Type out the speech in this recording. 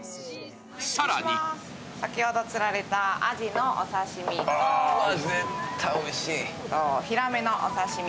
更に先ほど釣られたあじのお刺身。